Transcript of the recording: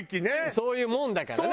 そういうもんだからね。